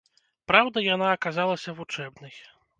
Праўда, яна аказалася вучэбнай.